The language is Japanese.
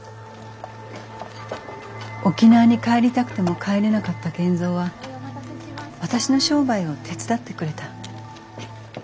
沖縄に帰りたくても帰れなかった賢三は私の商売を手伝ってくれた。